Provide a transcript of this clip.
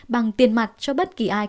bằng tiền mặt cho bất kỳ ai